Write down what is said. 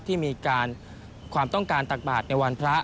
ที่มีความต้องการตักบาทในวันพระ